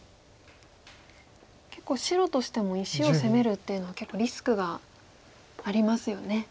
結構白としても石を攻めるっていうのは結構リスクがありますよね。